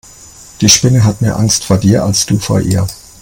Die Spinne hat mehr Angst vor dir als du vor ihr.